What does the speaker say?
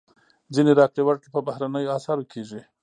ځینې راکړې ورکړې په بهرنیو اسعارو کېږي.